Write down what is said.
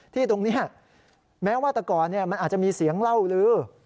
ที่ตรงนี้แม้ว่าแต่ก่อนมันอาจจะมีเสียงเล่าลือ